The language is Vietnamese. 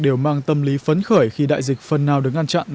đều mang tâm lý phấn khởi khi đại dịch phần nào được ngăn chặn